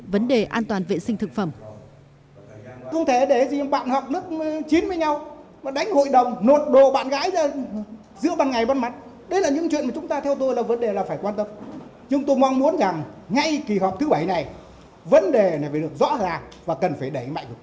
vấn đề an toàn vệ sinh thực phẩm